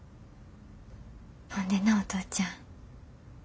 ほんでなお父ちゃん。